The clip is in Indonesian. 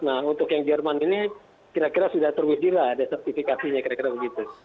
nah untuk yang jerman ini kira kira sudah terwijila ada sertifikasinya kira kira begitu